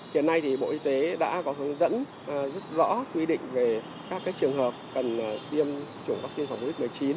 khi này thì bộ y tế đã có hướng dẫn rất rõ quy định về các trường hợp cần tiêm chủng vaccine phòng huyết một mươi chín